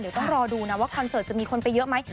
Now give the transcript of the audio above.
เดี๋ยวต้องรอดูนะว่าคอนเสิร์ตจะมีคนไปเยอะไหม